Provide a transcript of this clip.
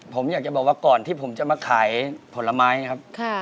ผมอยากจะบอกว่าก่อนที่ผมจะมาขายผลไม้นะครับ